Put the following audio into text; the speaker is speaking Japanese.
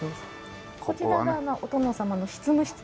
こちらがあのお殿様の執務室。